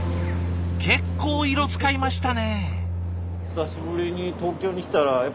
結構色使いましたね。